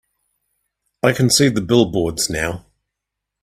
I can see the billboards now.